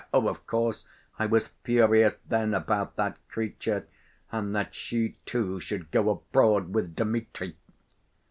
Oh, of course, I was furious then about that creature, and that she, too, should go abroad with Dmitri!"